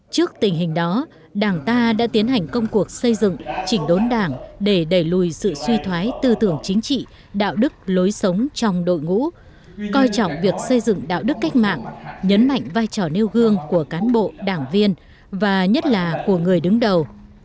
trước tình hình đó đảng ta đã tiến hành công cuộc xây dựng chỉnh đốn đảng để đẩy lùi sự suy thoái tư tưởng chính trị đạo đức lối sống trong đội ngũ coi trọng việc xây dựng đạo đức cách mạng nhấn mạnh vai trò nêu gương của cán bộ đảng viên và nhất là của người đứng đầu